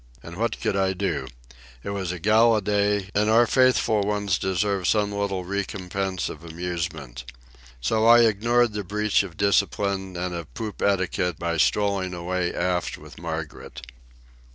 And what could I do? It was a gala day, and our faithful ones deserved some little recompense of amusement. So I ignored the breach of discipline and of poop etiquette by strolling away aft with Margaret.